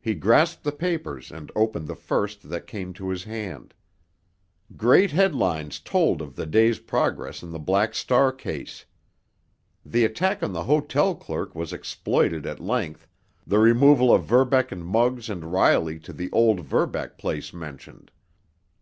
He grasped the papers and opened the first that came to his hand. Great headlines told of the day's progress in the Black Star case. The attack on the hotel clerk was exploited at length, the removal of Verbeck and Muggs and Riley to the old Verbeck place mentioned.